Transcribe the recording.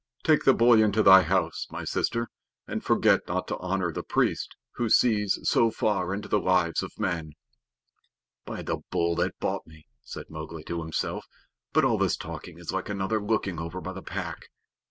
Take the boy into thy house, my sister, and forget not to honor the priest who sees so far into the lives of men." "By the Bull that bought me," said Mowgli to himself, "but all this talking is like another looking over by the Pack!